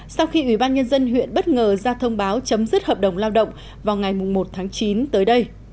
sau khi ủy ban nhân dân huyện bất ngờ ra thông báo chấm dứt hợp đồng lao động vào ngày một tháng chín tới đây